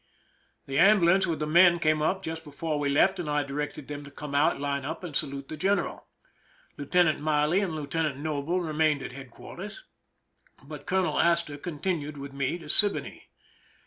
The ambulance with the men came up just before we left, and I directed them to come out, line up, and salute the general. Lieutenant I^Qley and Li€iutenant Noble remained at headquairters, but Colonel Astor continued with me to Siboney.